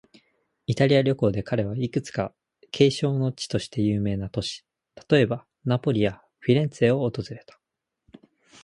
イタリア旅行で彼は、いくつか景勝の地として有名な都市、例えば、ナポリやフィレンツェを訪れた。